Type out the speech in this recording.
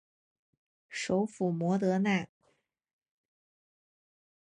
首府摩德纳。